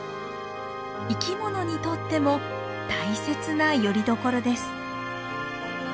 生き物にとっても大切なよりどころです。